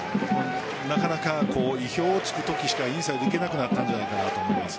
なかなか意表を突くときしかインサイド行けなくなったんじゃないかなと思います。